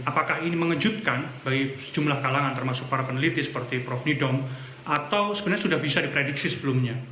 apakah ini mengejutkan bagi sejumlah kalangan termasuk para peneliti seperti prof nidom atau sebenarnya sudah bisa diprediksi sebelumnya